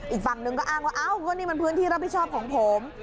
อีกฝั่งหนึ่งก็อ้างว่าอ้าวก็นี่มันพื้นที่รับผิดชอบของผม